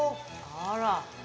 あら。